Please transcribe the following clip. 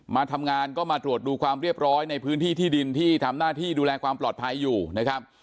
มาทำงานก็มาตรวจดูความเรียบร้อยในพื้นที่ที่ดินที่ทำหน้าที่ดูแลความปลอดภัยอยู่นะครับ